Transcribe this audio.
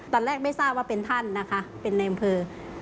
ตอนแรกไม่ทราบว่าเป็นท่านนะคะเป็นในอำเภอ